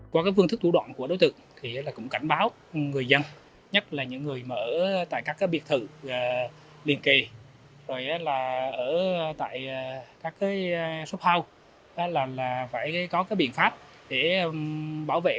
qua phương thức thủ đoạn của đối tượng cũng cảnh báo người dân nhất là những người ở các biệt thự liên kề ở các shop house